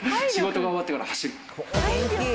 仕事が終わってから走る。